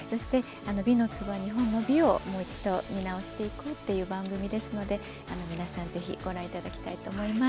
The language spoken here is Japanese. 「美の壺」は日本の美をもう一度、見直していくという番組ですので皆さん、ぜひご覧いただきたいと思います。